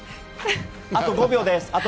あと５秒です。